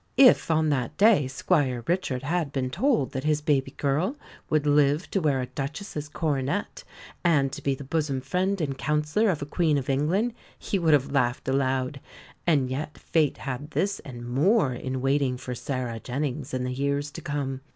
If on that day Squire Richard had been told that his baby girl would live to wear a Duchess's coronet and to be the bosom friend and counsellor of a Queen of England, he would have laughed aloud; and yet Fate had this and more in waiting for Sarah Jennings in the years to come.